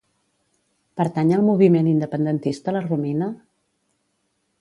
Pertany al moviment independentista la Romina?